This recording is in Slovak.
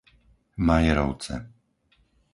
Majerovce